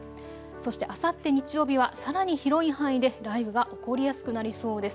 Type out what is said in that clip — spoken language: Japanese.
そして、あさって日曜日はさらに広い範囲で雷雨が起こりやすくなりそうです。